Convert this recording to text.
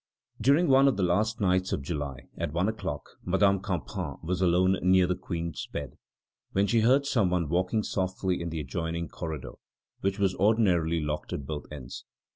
During one of the last nights of July, at one o'clock, Madame Campan was alone near the Queen's bed, when she heard some one walking softly in the adjoining corridor, which was ordinarily locked at both ends.